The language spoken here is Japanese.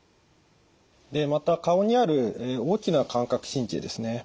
でまた顔にある大きな感覚神経ですね。